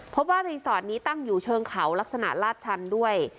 ว่ารีสอร์ทนี้ตั้งอยู่เชิงเขาลักษณะลาดชันด้วย